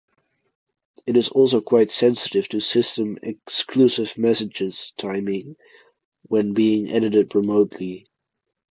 It is also quite sensitive to System Exclusive messages timing when being edited remotely.